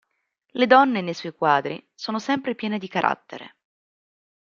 Le donne nei suoi quadri sono sempre piene di carattere.